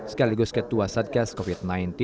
sekaligus ketua satgas covid sembilan belas